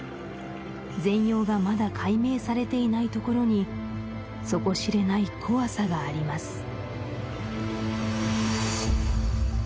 全容がまだ解明されていないところに底知れない怖さがあります